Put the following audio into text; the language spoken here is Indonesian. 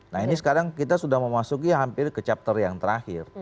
nah ini sekarang kita sudah memasuki hampir ke chapter yang terakhir